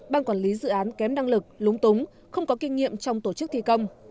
ban quản lý dự án kém năng lực lúng túng không có kinh nghiệm trong tổ chức thi công